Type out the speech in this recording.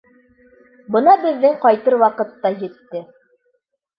Бына беҙҙең ҡайтыр ваҡыт та етте.